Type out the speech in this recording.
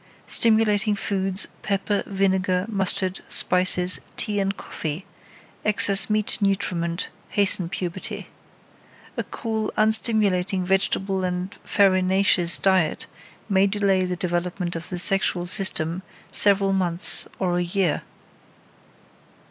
Stimulating foods, pepper, vinegar, mustard, spices, tea and coffee, excess meat nutriment hasten puberty. A cool, unstimulating vegetable and farinaceous diet may delay the development of the sexual system several months or a year.